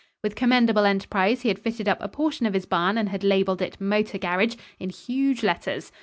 With commendable enterprise he had fitted up a portion of his barn and had labeled it "Motor Garage" in huge letters.